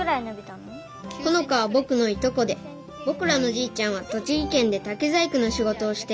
ホノカはぼくのいとこでぼくらのじいちゃんは栃木県で竹細工のしごとをしている。